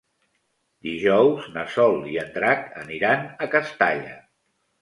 Dijous na Sol i en Drac aniran a Castalla.